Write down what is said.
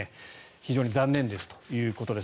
非常に残念ですということです。